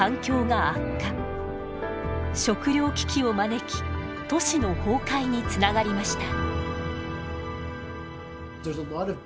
食糧危機を招き都市の崩壊につながりました。